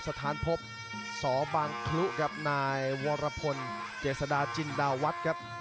สถานพบสบางพลุครับนายวรพลเจษฎาจินดาวัฒน์ครับ